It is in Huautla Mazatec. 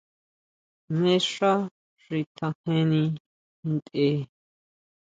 Jmé xá xi tjajeni ntʼe.